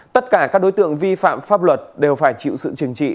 tất cả các đối tượng vi phạm pháp luật đều phải chịu sự trừng trị